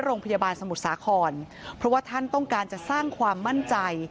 โรงพยาบาลสมุทรสาครเพราะว่าท่านต้องการจะสร้างความมั่นใจ